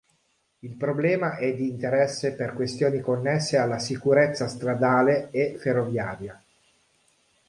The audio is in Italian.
Il problema è di interesse per questioni connesse alla sicurezza stradale e ferroviaria.